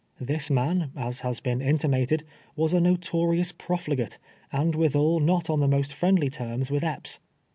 This man, as has been intima ted, was a notorious profligate, and withal not on the most friendly terms with Epps.